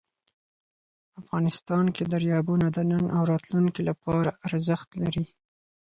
افغانستان کې دریابونه د نن او راتلونکي لپاره ارزښت لري.